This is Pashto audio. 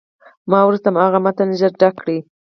ما وروسته هماغه متن ژر درک کړ.